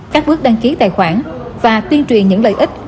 các bước đăng ký tài khoản và tuyên truyền những lợi ích